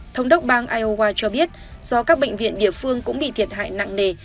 thống đốc bang iowa cho biết do các bệnh viện địa phương cũng bị thiệt hại nặng nề